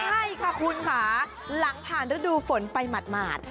ใช่ค่ะคุณค่ะหลังผ่านฤดูฝนไปหมาด